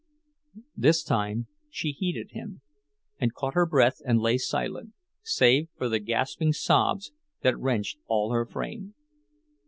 This time she heeded him, and caught her breath and lay silent, save for the gasping sobs that wrenched all her frame.